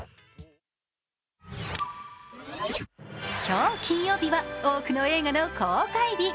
今日金曜日は多くの映画の公開日。